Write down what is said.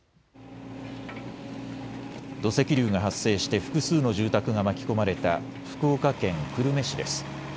土石流が発生して複数の住宅が巻き込まれた福岡県久留米市です。